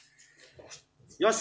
よし！